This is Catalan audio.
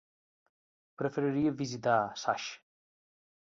Preferiria visitar Saix.